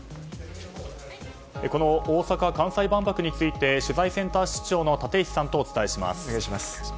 この大阪・関西万博について取材センター室長の立石さんとお伝えします。